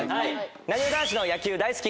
なにわ男子の野球大好き。